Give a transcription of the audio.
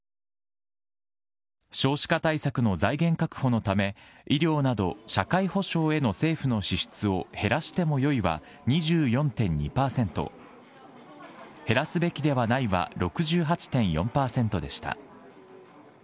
少子化対策の財源確保のため、医療など社会保障への政府の支出を減らしてもよいは２４．２％、減らすべきではないは６８．４％でした。